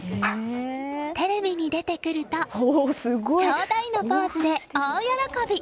テレビに出てくるとちょうだい！のポーズで大喜び。